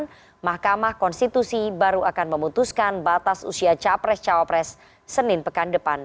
dan mahkamah konstitusi baru akan memutuskan batas usia cawapres cawapres senin pekan depan